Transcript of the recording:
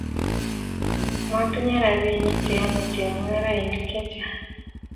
matinyei robinik che yomei chemung'arenik che chang'.